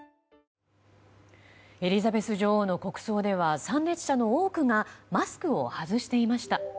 エリザベス女王の国葬では参列者の多くがマスクを外していました。